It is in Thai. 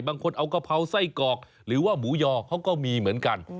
บางคนเอากะเพราไส้กรอกหรือว่าหมูยอเขาก็มีเหมือนกัน